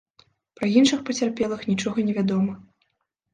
Пра іншых пацярпелых нічога не вядома.